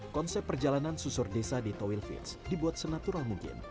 konsep perjalanan susur desa di toilfiz dibuat senatural mungkin